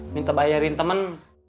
minta bayarin temen